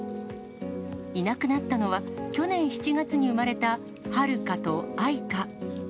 いなくなったのは、去年７月に生まれたはるかとあいか。